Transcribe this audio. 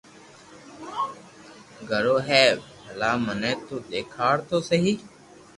گيو ھي ڀلا مني تو ديکار تو سھي